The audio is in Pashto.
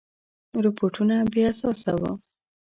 رپوټونه بې اساسه وه.